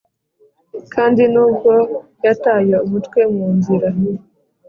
kandi nubwo yataye umutwe mu nzira,